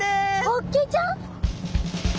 ホッケちゃん？